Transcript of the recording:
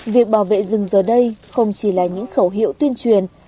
việc bảo vệ rừng giờ đây không chỉ là những khẩu hiệu tuyên truyền